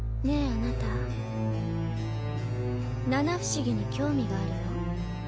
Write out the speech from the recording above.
あなた七不思議に興味があるの？